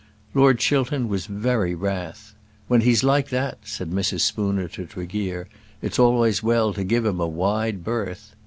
Lord Chiltern was very wrath. "When he's like that," said Mrs. Spooner to Tregear, "it's always well to give him a wide berth."